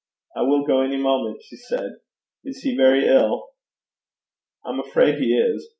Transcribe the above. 'I will go any moment,' she said. 'Is he very ill?' 'I'm afraid he is.